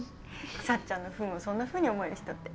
幸ちゃんの不運をそんなふうに思える人って。